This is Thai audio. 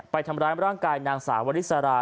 ไปทำร้ายร่างกายนางสาววริสรา